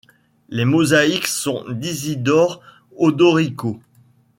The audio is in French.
Les mosaïques sont d'Isidore Odorico.